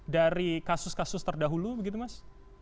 dari kasus kasus terdahulu begitu mas